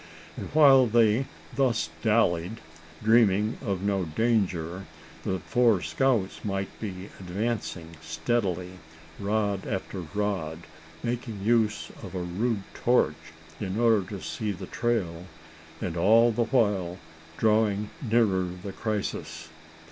And while they thus dallied, dreaming of no danger, the four scouts might be advancing steadily, rod after rod, making use of a rude torch in order to see the trail, and all the while drawing nearer the crisis.